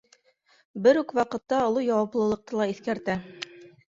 Бер үк ваҡытта оло яуаплылыҡты ла иҫкәртә.